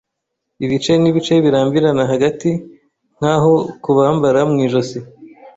ibice, n'ibice birambirana hagati, nkaho kubambara mu ijosi -